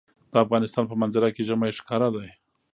د افغانستان په منظره کې ژمی ښکاره ده.